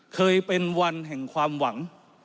เคยเป็นวันแห่งความหวัง